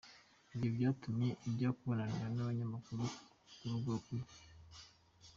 Ibyo byatumye ajya kubonanira n’abanyamakuru mu rugo iwe.